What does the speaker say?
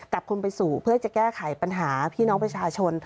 คนไปสู่เพื่อจะแก้ไขปัญหาพี่น้องประชาชน